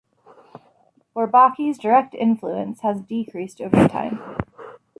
Bourbaki's direct influence has decreased over time.